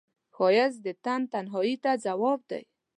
ښایست د تن تنهایی ته ځواب دی